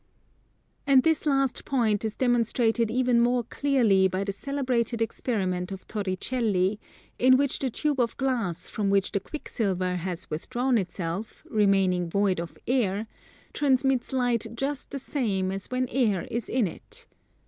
And this last point is demonstrated even more clearly by the celebrated experiment of Torricelli, in which the tube of glass from which the quicksilver has withdrawn itself, remaining void of air, transmits Light just the same as when air is in it.